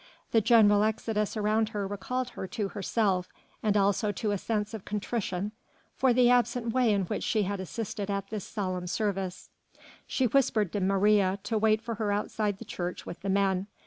The general exodus around her recalled her to herself and also to a sense of contrition for the absent way in which she had assisted at this solemn service. She whispered to Maria to wait for her outside the church with the men.